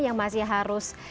yang masih harus